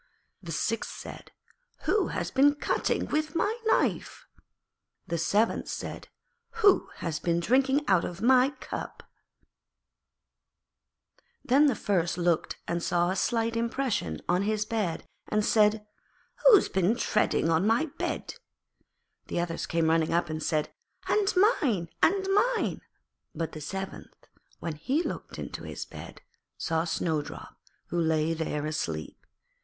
The sixth said, 'Who has been cutting with my knife?' The seventh said, 'Who has been drinking out of my cup?' [Illustration: In the evening the seven Dwarfs came back.] Then the first looked and saw a slight impression on his bed, and said, 'Who has been treading on my bed?' The others came running up and said, 'And mine, and mine.' But the seventh, when he looked into his bed, saw Snowdrop, who lay there asleep.